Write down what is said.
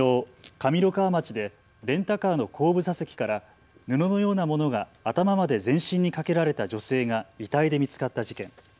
上三川町でレンタカーの後部座席から布のようなものが頭まで全身にかけられた女性が遺体で見つかった事件。